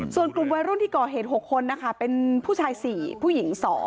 ส่วนกลุ่มวัยรุ่นที่ก่อเหตุ๖คนนะคะเป็นผู้ชาย๔ผู้หญิง๒